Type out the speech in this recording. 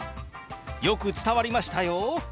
よく伝わりましたよ！